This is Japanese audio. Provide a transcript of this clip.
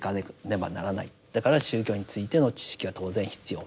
だから宗教についての知識は当然必要。